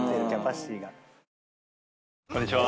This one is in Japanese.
こんにちは。